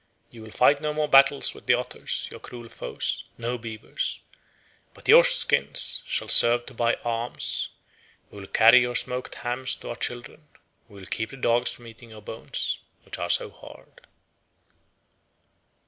You will fight no more battles with the otters, your cruel foes. No, beavers! But your skins shall serve to buy arms; we will carry your smoked hams to our children; we will keep the dogs from eating your bones, which are so hard."